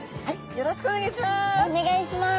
よろしくお願いします！